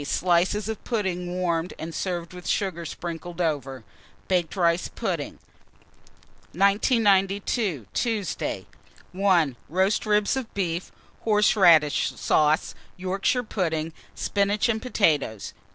Slices of pudding warmed, and served with sugar sprinkled over. Baked rice pudding. 1992. Tuesday. 1. Roast ribs of beef, horseradish sauce, Yorkshire pudding, spinach and potatoes.